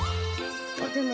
でも